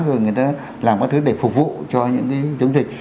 rồi người ta làm các thứ để phục vụ cho những cái chống dịch